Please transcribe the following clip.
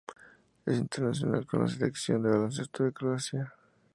Es internacional con la selección de baloncesto de Croacia.